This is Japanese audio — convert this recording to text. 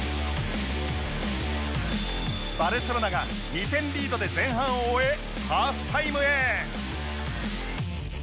バルセロナが２点リードで前半を終えハーフタイムへ